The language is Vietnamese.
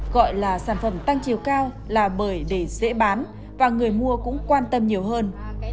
gọi là sản phẩm tăng chiều cao là bởi để dễ bán và người mua cũng quan tâm nhiều hơn